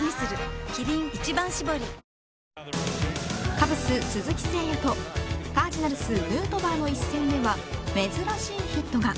カブス、鈴木誠也とカージナルスヌートバーの一戦では珍しいヒットが。